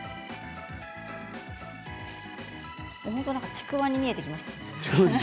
ちくわに見えてきましたね。